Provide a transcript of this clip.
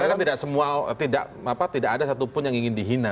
karena kan tidak semua tidak ada satupun yang ingin dihina